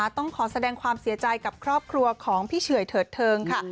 ต้องขอแสดงความเสียใจกับครอบครัวของพี่เฉื่อยเถิดเทิงค่ะ